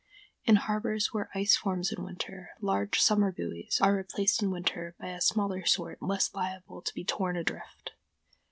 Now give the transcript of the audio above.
In harbors where ice forms in winter, large summer buoys are replaced in winter by a smaller sort less liable to be torn adrift.